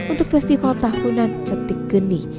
untuk festival tahunan cetik genih